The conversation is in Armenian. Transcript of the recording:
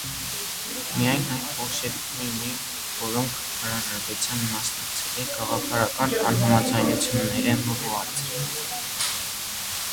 Միայն հայ պոլշեւիկներն էին, որոնք հրաժարեցան մասնակցելէ՝ գաղափարական անհամաձայնութիւններէ մղուած։